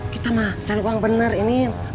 kita mah cari uang bener nin